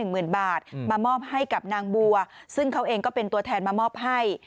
หมื่นบาทมามอบให้กับนางบัวซึ่งเขาเองก็เป็นตัวแทนมามอบให้